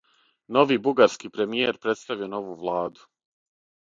Нови бугарски премијер представио нову владу